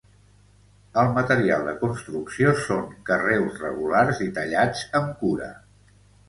El material de construcció són carreus regulars i tallats amb cura.